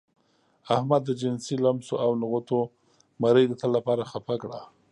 احمد د جنسي لمسو او نغوتو مرۍ د تل لپاره خپه کړه.